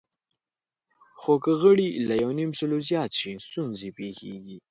خو که غړي له یونیمسلو زیات شي، ستونزې پېښېږي.